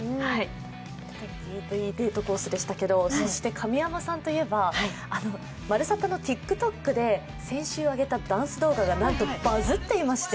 天気いいといいデートコースでしたけど「まるサタ」のＴｉｋＴｏｋで先週上げたダンス動画がなんとバズっていまして。